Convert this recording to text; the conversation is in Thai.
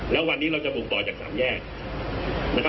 แล้ววันนี้เราจะพุ่งต่อจากสหรัมแยก